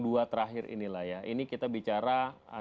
dua terakhir inilah ya ini kita bicara